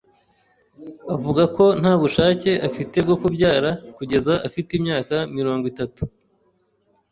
Avuga ko nta bushake afite bwo kubyara kugeza afite imyaka mirongo itatu.